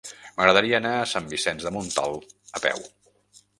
M'agradaria anar a Sant Vicenç de Montalt a peu.